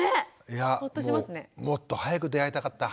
いやもっと早く出会いたかった。